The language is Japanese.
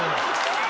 え！